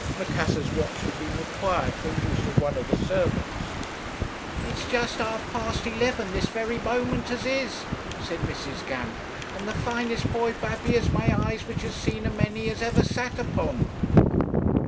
Macassar's watch had been required for the use of one of the servants. "'It's just half past heleven, this wery moment as is,' said Mrs. Gamp; 'and the finest boy babby as my heyes, which has seen a many, has ever sat upon.'